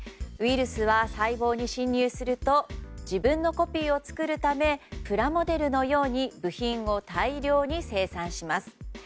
ウイルスは細胞に侵入すると自分のコピーを作るためプラモデルのように部品を大量に生産します。